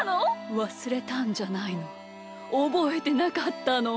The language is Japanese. わすれたんじゃないのおぼえてなかったの！